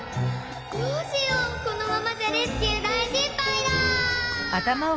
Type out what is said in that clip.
どうしようこのままじゃレスキュー大しっぱいだ！